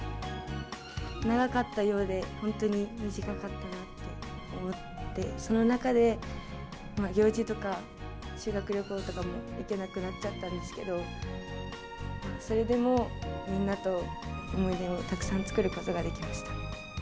長かったようで、本当に短かったなと思って、その中で、行事とか、修学旅行とかも行けなくなっちゃったんですけど、それでも、みんなと思い出をたくさん作ることができました。